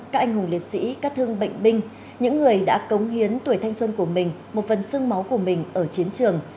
các anh hùng liệt sĩ các thương bệnh binh những người đã cống hiến tuổi thanh xuân của mình một phần sương máu của mình ở chiến trường